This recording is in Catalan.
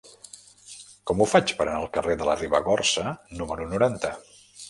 Com ho faig per anar al carrer de la Ribagorça número noranta?